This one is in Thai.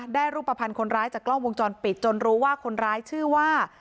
รูปภัณฑ์คนร้ายจากกล้องวงจรปิดจนรู้ว่าคนร้ายชื่อว่า